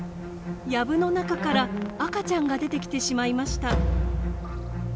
やぶの中から赤ちゃんが出てきてしまいました。